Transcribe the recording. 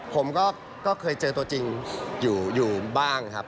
ผมก็เคยเจอตัวจริงอยู่บ้างครับ